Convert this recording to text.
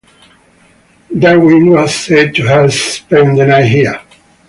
Darwin was said to have spent the night here.